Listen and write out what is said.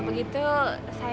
ngapain lagi kamu kesini andre